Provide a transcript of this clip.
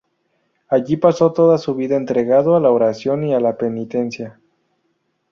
Allí pasó toda su vida entregado a la oración y la penitencia.